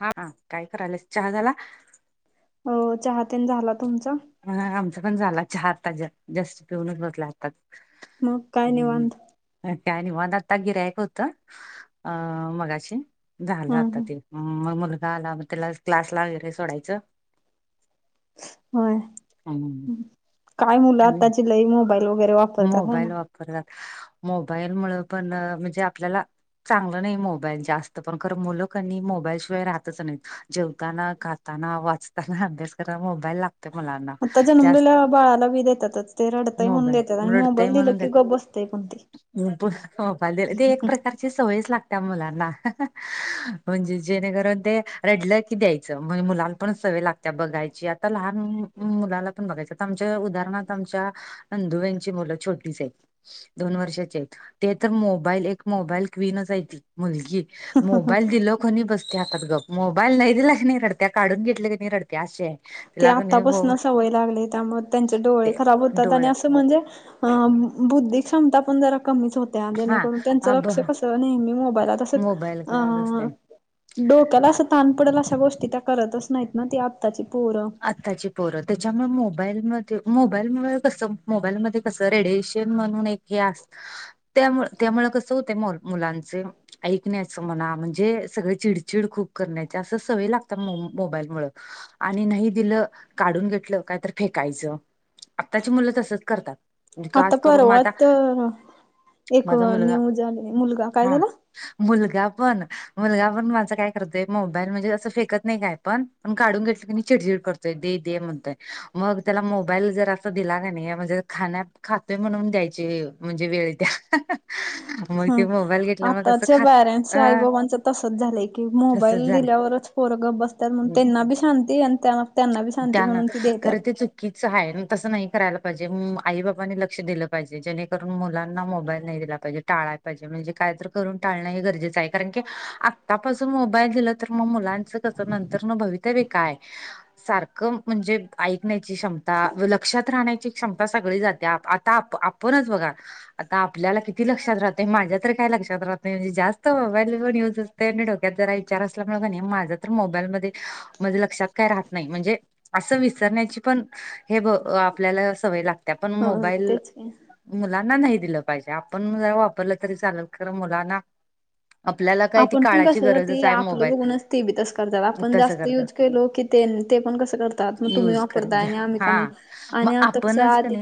हा काय करायल्यास चहा झाला? हो चहा तेन झाला तुमचा? हा आमचा पण झाला चहा आता जस जस्ट पिऊनच बसल आताच. मग काय हम्. निवांत काय निवांत आता गिरायक होत अ मगाशी झालं हम्म आता हम्म ते. मग मुलगा आला मग त्याला क्लासला वगैरे सोडायचं होय [inaudible] काय मुलं आणि आत्ताची लय मोबाईल वगैरे वाप मोबाईल वापरतात मोबाईल मुळ पण अ म्हणजे आपल्याला चांगलं नाही मोबाईल जास्त पण खर मुलं कनी मोबाईल शिवाय राहतच नाहीत जेवताना खाता ताना वाचताना अभ्यास कराय मोबाईल लाग आता जनमलेल्या बाळाला बी देतातच ते रडतय म्हणून देतात. मोबाईल आणि रडतय मोबाईल दिलं म्हणून की देतात गप बसतय पण ते मोबाईल ते एक प्रकार ची सवयच लागत्या मुलांना ह ह म्हणजे जेणेकरून रडल की द्यायच मुलां पण सवय लागत्या बघायची आप आता लहान मुलाला पण बघायच आ आमच्या उदाहर आमच्या नदुंबाई आ ची मुलं छोटीच आहेत दोन वर्षाचे आहेत ते तर मोबाईल एक मोबाईल क्वीनच हाय ती मुलगी ह मोबाईल दिलो कोणी बसते आताच ग मोबाईल नाही दिला की नाही रडत्या काढून घेतल्या कनी रडत्या अशी आहे ते तिला कणी मो आतापासन सवय लागले त्यामुळे त्यांचे डोळे ते खराब होतात आणि डोळ्या आस त म्हणजे अ बुद्धी क्षमता पन जरा कमीच होत हा जेणेकरून त्यांचं अ लक्ष्य कस नेहमी मोबाईलत असं मोबाईलकडे असते अ डोक्याला असं ताण पडल अशा गोष्टी त्या करतच नाहीत ना ती आत्ताची पोर आत्ताची पोरं त्याच्यामुळे मोबाईलमध्ये मोबाईलमुळे कसं मोबाईलमध्ये कसं रेडिएशन म्हणून एक हे आस त्यामुळ त्यामुळ कस होते मु मुलांचे ऐकण्याचं म्हणा म्हणजे सगळे चिडचिड खूप करण्याच असं सवय लागतात मोबाईल मुळ [inaudible] आणि नाही दिलं काढून घेतलं काय तर फेकायचं आत्ताची मुलं तसच करतात. आता खास करून परवा माझा तर एक माझा मुलगा न्यूज आली मुलगा काय हा झाला? मुलगा पण मुलगा पण माझा काय करतोय मोबाईल म्हणजे असं फेकत नाही काय पण मग काढून घेतलं कनी चिडचिड करतोय दे दे म्हणतोय मग त्याला मोबाईल जर असा दिला कनी म्हणजे खाणयात खाते म्हणून द्यायचे म्हणजे वेळ येत्या [unintelligible] मग ते मोबाईल घेतल्यामुळे कसं आताचे खात पॅरेंट्स अ आई बाबांचं तसंच झालंय की तसच मोबाईल झालं दिल्यावरच पोरं गप बसतात म्हण त्यांना बी शांती आणि त्यांना बी शांती म्हणून ती देत्यात. कीच आहे तसं नाही करायला पाहिजे आई बाबांनी लक्ष दिलं पाहिजे जेणेकरून मुलांना मोबाईल नाही दिला पाहिजे टाळाय पाहिजे म्हणजे काय तर करून टाळण हे गरजेचं आहे कारण की आत्तापासून मोबाईल दिलं तर मग मुलांच च नंतरन भवितव्य काय. [unintelligible] सारखं म्हणजे ऐकण्याची क्षमता व लक्षात राहण्याची क्षमता सगळी जाते आता आप पणच बघा आता आपल्याला किती लक्षात राहते माझ्या तरी काय लक्षात राहत नाही म्हणजे जास्त मोबाईल येऊन जाऊ काय डोक्यात जरा विचार असल्यामुळे माझं तर मोबाईल मध्ये म्हणजे लक्षात काय राह नाही म्हणजे असं विसरण्याची पण हे ब अ आपल्याला सवय लाग त्या पण हा मोबाईल तेच की मुलांना नाही दिलं पाहिजे आपण वापरलं तरी चालल खरं मुलांना आपल्याला काय ती आपण पण काळाची कसं ते गरजच आहे आपलं मोबाईल बघूनच ते बी तसं करत्यात आपण तसं जास्त करतात युज केलो की तेन ते पण कसं करत त मग तुम्ही युज करत वापरताय घ्या आणि आम्ही का नाही हा मग आणि आता कसं आधी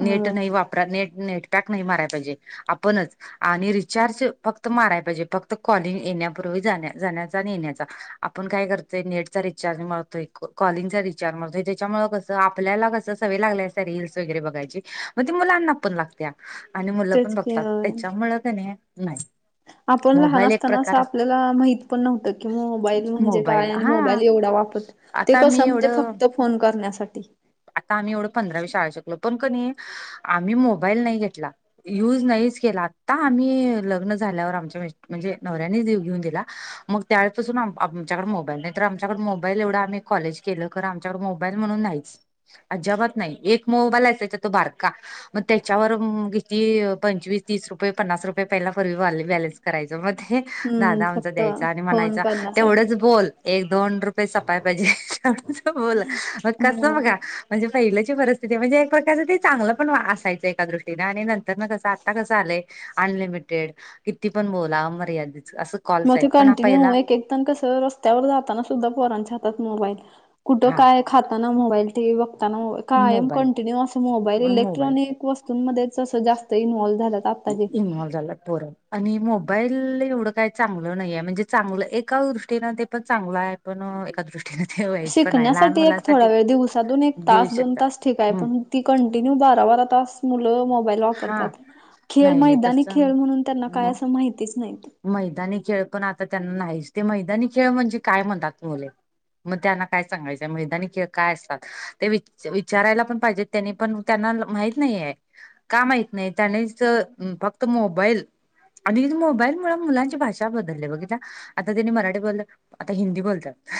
होय तर नेट नेटपॅक नाही माराय पाहिजे आपणच आणि रिचार्ज फक्त माराय पाहिजे फक्त कॉलिंग येण्यापूर्वी जा जाण्याचा आणि येण्याचा आपण काय करतोय नेटचा रिचार्ज मा तोय कॉलिंग चा रिचार्ज त्याच्यामुळे कसं आपल्याला कसं सवय लागले अस रीलस वगैरे बघायची मग ते मुलांना पण लागत्या आणि मुलं पण तेच की बघतात होय त्याच्यामुळ कनी नाही आपण लहान मोबाईल एक असताना असं प्रकार आपल्याला माहित पण नव्हतं की, मोबाईल म्हणजे मोबाईल काय आणि हा मोबाईल एवढा वापर ते आता मी कसं म्हणजे एवढं फक्त फोन करण्यासाठी. आता आम्ही एवढं पंधरावी शाळा शकलो पण कणी आम्ही मोबाईल नाही घेतला. युज नाहीच केला आता आम्ही लग्न झाल्यावर आमच्या म्हणजे नवऱ्यानेच घेऊन दिला. मग त्यावेळेपासून आमच्याकडे मोबाईल नाही तर, आमच्याकड मोबाईल एवढं आम्ही कॉलेज केलं खरं आमच्याकड मोबाईल म्हणून नाही च अजिबात नाही एक मोबाईल आहे तो बारका मग त्याच्यावर म किती पंचवीस तीस रुपये पन्नास रुपये पहिला पूर्वी वाले बॅलनस करायचं मग ते हम्म दादा आमचा फक्त द्यायचा आणि फोन म्हणायचा करण्यासाठी तेवढंच बोल एक दोन रुपये सपाय पाहिजे तेवढेच बोल मग कसं हम्म बघा म्हणजे पहिल्याची परिस्थिती म्हणजे एक प्रकारचं ते चांगलं पण असायचं एका दृष्टीनें आणि नंतर ना कसं आत्ता कसं आलंय अनलिमिटेड किती पण बोला मर्यादेच असं कॉल्स मग आहेत ते पण कंटिन्यू पहिला होय की तन कसं रस्त्यावर जातना सुद्धा पोरांच्या हातात मोबाईल कुठ हा काय खाताना मोबाईल टीव्ही बघताना मोबाईल कायम मोबाईल कंटीन्यू असं मोबाईल मोबाईल इलेक्ट्रॉनिक वस्तू मध्येच जास्त इनवॉल्व्ह झाल्यात. आत्ताचे इनव्हाल झालेत पोरं. आणि मोबाईल एवढं काही चांगलं नाही आहे म्हणजे चांगलं एका दृष्टीनें ते पण चांगलं आहे. पण एका दृष्ट शिकण्यासाठी एक थोडा वेळ दिवसातून एक देऊ तास दोन शकतात. तास ठीक आहे हम्म पण ती कंटिन्यू बारा बारा तास मुलं मोबाईल हा त्यात खेळ नाही नाही मैदानी तसं खेळ म्हणून त्यांना काय असं माहितीच नाहीत. मैदानी खेळ पण आता त्यांना नाहीच ते मैदानी खेळ म्हणजे काय म्हणतात मुले. मग त्यांना काय सांगायचं मैदानी खेळ काय असतात. ते विच-विचारायला पण पाहिजेत तेनी पण त्यांना माहित नाही आहे. का माहीत नाही त्यानेच म फक्त मोबाईल, अडीज मोबाईल मूळ मुलांची भाषा बदलल्या बघितला आता त्यांनी मराठी बोल, आता हिंदी बोलत्यात.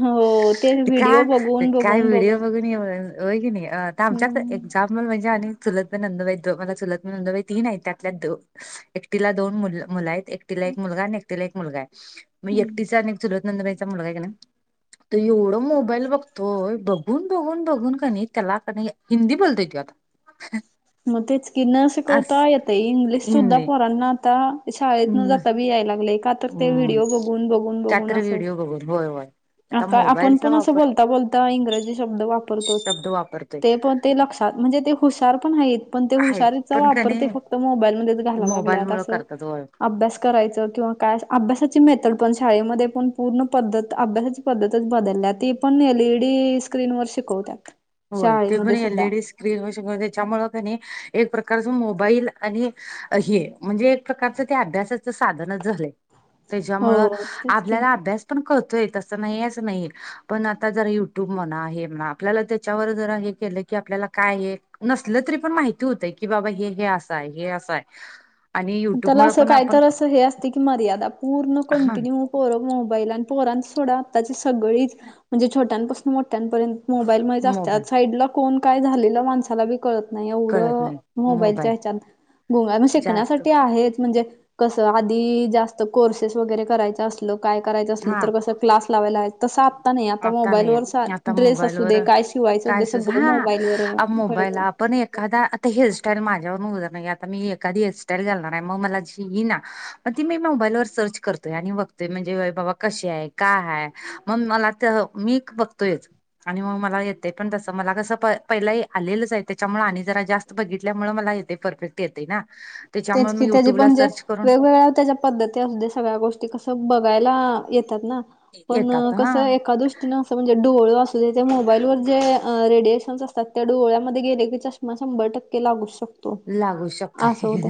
हो ते का, व्हिडिओ बघून काय बघून व्हिडिओ बघून? मी होय होय की नाही आता आमच्यात हम्म एक्झाम्पल म्हणजे आनी चुलत नंदुबाई द मला चुलत नंदुबाई तीन आहेत त्यातल्या दो, एकटीला दोन मु-मुलं आहेत. तिला एक मुलगा आणि एकटीला एक मुलगा आहे, म एकटीचा आणि चूलत नंदुबाई चा मुलगा आहे का न तो एवढं मोबाईल बघतोय बघून बघून बघून कनी त्याला कनी हिंदी बोलतोय त्यो आता. [unintelligible] म तेच की न शिकवता अस येतय इंग्लिश सुद्धा हिंदी पोरना आता शाळेत न हम्म जाता बी याय लागलय का तर ते हम्म. व्हडिओ बघून बघून बघून कायतरी असं. व्हिडिओ बघून होय होय. आता आका आपण मोबाईलचा पण असं वापर बोलता बोलता इंग्रजी शब्द वापरतोच, शब्द वापरतोय ते पण ते लक्षात म्हणजे ते हुशार पण हाईत. पण ते आहेत हुशचा पण वापर कणी ते फक्त मोबाईल मध्ये घालायला मोबाईल लागल्यात मुळ अस, करतात होय अभ्यास करायच किंवा काय अभ्यासाची मेथड पण शाळेमध्ये पण पूर्ण पद्धत अभ्यासाची पद्धतच बदलल्या ती पण एलईडी स्क्रीन वर शिकवत्यात, होय ते पण शाळेमध्ये सुद्धा. एलईडी स्क्रीन वर शिकव त्याच्यामुळे कनी एक प्रकारच मोबाईल आणि अ हे म्हणजे एक प्रकारचं ते अभ्यासाचं साधनच झालंय. त्याच्यामुळं हो तेच की आपल्याला अभ्यास पण कतोय तस नाही अस नाही, पण आता जरा युट्यूब म्हणा हे म्हणा आपल्या त्या त्याच्यावर जरा हे केलं की आपल्याला काय ये? नसलं तरी पण माहिती होतय की बाबा हे हे असाय हे असाय. पण त्याला असं काय तर असं हे अस ते की मर्यादा पूर्ण हा कंटिन्यू पोर मोबाईल आणि पोरांचं सोडा आताची सगळीच, म्हणजे छोट्यापासून मोठ्यांपर्यंत मोबाईल मधेच मोबाईल असत्यात साइडला कोण काय झालेलं माणसाला बी कळत नाही एवढ, कळत नाही मोबाईल ह्याच्यात, गुंग आणि जास्त शिकण्यासाठी आहेच म्हणजे, कस आधी जास्त कोर्सेस वगैरे करायच असल काय करायचं असल हा तर कसं क्लास लावायला ला तस आता नाही आता नाही मोबाईलवर सा आता ड्रेस असू मोबाईलवर दे काय शिवायचं काय दे सगळ मोबाईल वर कळतं. पण एखादा आता हेअरस्टाईल माझ्यावरून उदारन घे आता मी एखादी हेअरस्टाईल घालणार आहे म मला ची येईना. म ती मी मोबाईलवर सर्च करतोय आणि बघतोय म्हणजे बाबा कशी आहे काय हाय, मग मला त मी बघतोयच. आणि म मला येतेय पण तसं मला कसं प-पहिला आलेलंच आहे त्याच्यामुळे आणि जरा जास्त बघितल्यामुळ मला येतय परफेक्ट येतय ना, त्याच्यामुळे मी युट्यूबला सर्च करून. वेळ त्याज्या पद्धती असु दे सगळ्या गोष्टी कस बघायला येतात ना, पण येतात कस हा एका दु टिन अस म्हणजे डोळ असू दे ते मोबाईल वर जे रेडिएशन असतात. त्या डोळ्यामध्ये गेले की चष्मा शंभर टक्के लागू शकतो. लागू शकतो, असं होते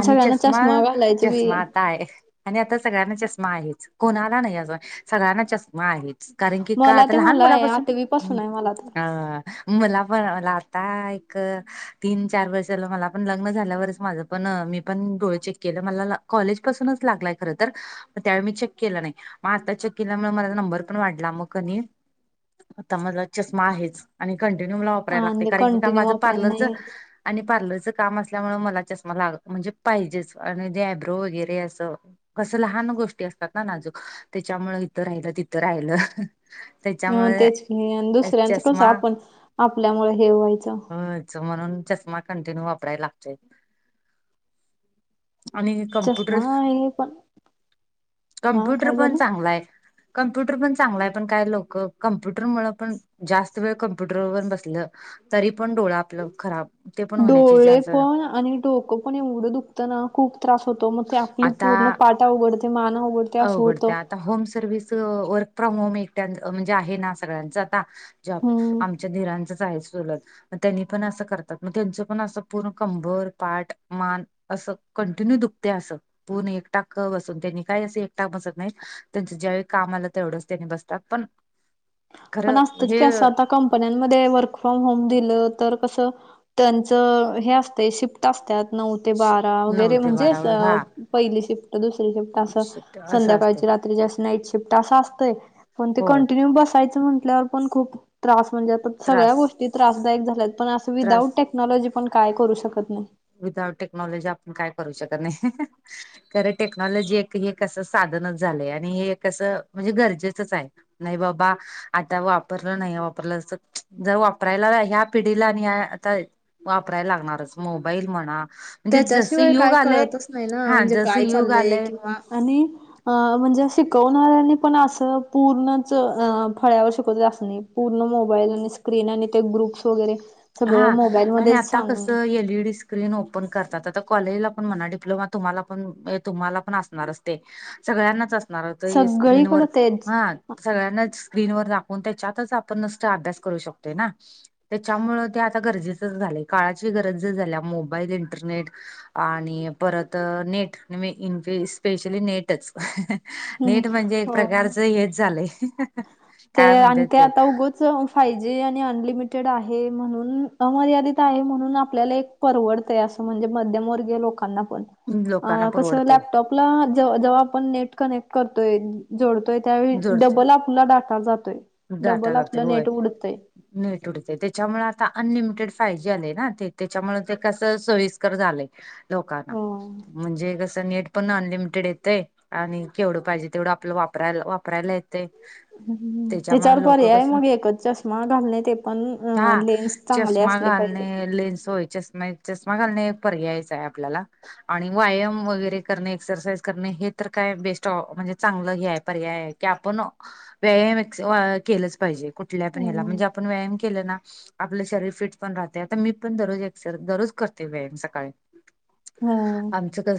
आणि सगळ्यांना चष्मा, घालायच बी चष्मा ता हाय, आणि आता सगळ्यांना चष्मा आहेच कोणाला नाही असं सगळ्यांना चष्मा आहे. कारण की का मला आता ते लहान मला आहे मुलापासून, आठवी पासून आहे मला आ तर मला पण मला आता एक तीन चार वर्ष मला पण लग्न झाल्यावरच माझ पण मी पण डोळे चेक केलं मला कॉलेज पासूनच लागलाय खर तर मग त्यावेळी मी चेक केला नाही मग आता चेक केल्यामुळे माझा नंबर पण वाढला मग कनी आता माझा चष्मा आहेच आणि कंटिन्यू मला वापरायला लागते. आणि कारण की का कंटिन्यू माझं वापर पार्लरच नाही आणि पार्लरचं काम असल्यामुळे मला चष्मा लाग म्हणजे. पाहिजेच, आणि ब्रो वगैरे असं कसं लहान गोष्टी असतात. ना नाजूक त्याच्यामूळ इथं राहिलं. तिथं राहिलं. अं त्याच्यामुळे तेच दुसऱ्यांचं कसं, चष्मा आपण आपल्यामुळे हे व्हायचं. अ म्हणून चष्मा कंटिन्यू वापरायला लागतय. आणि कम्प्युटर चष्मा आहे पण हा कम्प्युटर काय पण झालं चांगला आहे. कम्प्युटर पण चांगला आहे. पण काय लोक कम्प्युटर मुळ पण जास्त वेळ कम्प्युटर व बसलं तरी पण डोळा आपलं खराब ते पण होण्याचे डोळे चान्स पण आणि डोकं पण एवढं दुखतं ना खूप त्रास होतो. मग ते आपली आता पूर्ण. पाठ अवघडते मान अवघडते. असं अवघडते. होतं आता home service work from home एकट्या म्हणजे आहे. ना सगळ्यांच आता जॉब हम्म आमच्या दिरांचाच आहे. चुलत मग त्यांनी पण असं करतात. मग त्यांचं पण असं पूर्ण कंबर पाठ मान असं कंटिन्यू दुखते. अस पण एक टाक बसून त्यांनी काही असं एकटाक बसत नाहीत. त्यांच ज्यावेळी काम आलं तेवढंच त्यांनी बसतात. पण पण खरं असतच हे की असं आता कंपन्यांमध्ये वर्क फ्रॉम होम दिलं तर कसं त्यांचं हे असतं शिफ्ट असत्यात नऊ ते श- बारा नऊ वगैरे ते म्हणजेच बारावर हा पहिली, शिफ्ट, दुसरी शिफ्ट शिफ्ट असं संध्याकाळ असते रात्री नाईट शिफ्ट अस असतंय. पण ते होय कंटिन्यू बस म्हंटल्यावर पण खूप त्रास म्हणजे सगळ्या त्रास गोष्टी त्रासदायक झाले पण असं विदाऊट [unintelligible] त्रास टेक्नॉलॉजी पण काय करू शकत नाही. विदाउट टेक्नॉलॉजी आपण काय करू शकत नाही. खरं टेक्नॉलॉजी एक हेसं साधनच झालंय. आणि हे कस म्हणजे गरजेचंच आहे. नाही बाबा आता वापरलं नाही. वापरलं अस जर वापरायला, ह्या पिढीला आणि ह आता वापरायला लागणारच मोबाईल म्हणा. जसं त्याच्याशिवाय युग काय आलंय कळतच नाही. ना हा म्हणजे, जसं काय युग चाललंय, आलंय किंवा आणि अ म्हणजे शिकवणाऱ्यांनी पण असं पूर्णच अ फळ्यावर शिकवत अस नाही. पूर्ण मोबाईल आणि स्क्रीन आणि ते ग्रुप्स वगैरे सगळं हा आणि मोबाईलमध्येच आता सांगून कसं L E D screen open करतात आता कॉलेजला पण म्हणा डिप्लोमा तुम्हाला पण तुम्हाला पण असणारच ते सगळ्यांनाच असणार होत स्क्रीनवर सगळीकडे तेच हा सगळ्यांना स्क्रीनवर दाखवून त्याच्यातच आपण न अभ्यास करू शकतो ना त्याच्यामुळे ते आता गरजेचं झालंय काळाची गरज ज झाल्या मोबाईल इंटरनेट आणि परत नेट इ स्पेशली नेटच. हम्म नेट म्हणजे एक हो. प्रकारचं हेच झालंय. ते काय आणि म्हणतात ते आता उग फाय जी आणि अनलिमिटेड आहे म्हणून अर्यादित आहे. म्हणून आपल्याला एक परवडत अस म्हणजे मध्यमवर्गीय लोकांना पण लोकांना कस परवडते लॅपटप आपल जेव्हा आपण नेट कनेक्ट करतोय जोडतोय त्यावेळी जोडते डबल आप आपला डाटा जातोय डाटा डबल लागतोय आपलं होय. नेट उडतंय. नेट उडते त्याच्यामुळे आता अनलिमिटेड फाय जे आलेय ना ते त्याच्यामुळे ते कस सोई [unintelligible] लोकांना हम्म म्हणजे कसं नेट पण अनलिमिटेड येतय आणि केवढं पाहिजे तेवढं आपलं वापराय वापरायला येतंय त्याच्यावर त्याच्यामुळे लोक पर्याय कसं मग एकच चष्मा घालणे ते पण अ हा लेन्स चांगले चष्मा असले पाहिजे. घालणे लेन्स होय चष्मा चष्मा घालणे पर्यायच आहे आपल्याला आणि व्यायाम वगैरे करणे, एक्सरसाइज करणे हे तर काय बेस्ट म्हणजे चांगलं हे आहे पर्याय आहे. की आपण व्यायाम केलंच पाहिजे कुठल्या पण ह्याला हम्म म्हणजे आपण व्यायाम केल ना आपलं शरीर फिट पण राहते आता मी पण दररोज एक्सर दररोज करते व्यायाम सकाळी हो. आमचं कसं